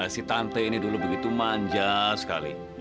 si tante ini dulu begitu manja sekali